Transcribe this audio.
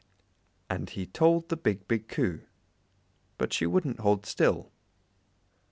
And he told the big, big Coo, but she wouldn't hold still.